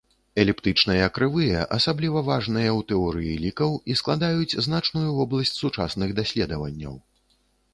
Эліптычныя крывыя асабліва важныя ў тэорыі лікаў і складаюць значную вобласць сучасных даследаванняў.